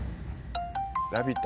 「『ラヴィット！』」。